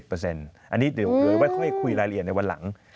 อันนี้เดี๋ยวค่อยคุยรายละเอียดในวันหลัง